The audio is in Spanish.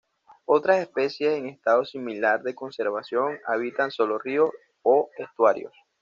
Otras especies en estado similar de conservación habitan sólo ríos o estuarios.